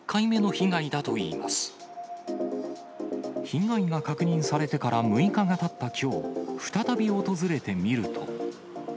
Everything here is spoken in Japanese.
被害が確認されてから６日がたったきょう、再び訪れてみると。